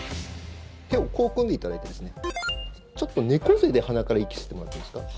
手をこう組んでいただいてちょっと猫背で鼻から息吸ってもらえますか？